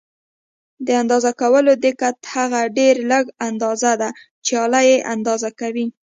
د اندازه کولو دقت هغه ډېره لږه اندازه ده چې آله یې اندازه کوي.